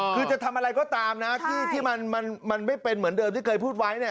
คือจะทำอะไรก็ตามนะที่มันไม่เป็นเหมือนเดิมที่เคยพูดไว้